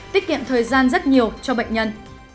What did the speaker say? tiết kiệm thời gian rất nhiều cho bệnh nhân